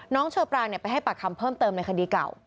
เชอปรางไปให้ปากคำเพิ่มเติมในคดีเก่า